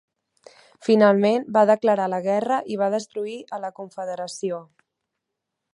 Finalment, va declarar la guerra i va destruir a la Confederació.